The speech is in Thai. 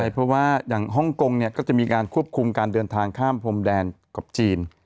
เพราะว่าอย่างฮ่องกงก็จะมีการควบคุมการเดินทางข้ามพรมแดนกับจีน